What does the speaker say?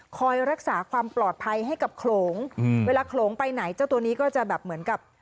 คอยรักษาความปลอดภัยให้กับโขลงเวลาโขลงไปไหนเจ้าตัวนี้ก็จะแบบเหมือนกับ